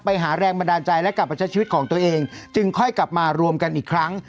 ไปหาแรงบันดาลใจและกลับมาใช้ชีวิตของตัวเองจึงค่อยกลับมารวมกันอีกครั้ง